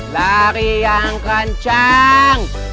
lari yang kencang